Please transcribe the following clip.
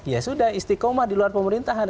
ya sudah istiqomah di luar pemerintahan